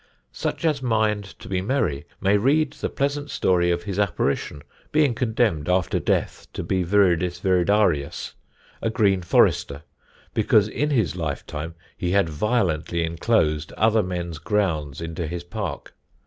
"Such as mind to be merry may read the pleasant Story of his apparition, being condemned after Death to be viridis viridarius, a green Forrester because in his life time he had violently inclosed other men's Grounds into his Park.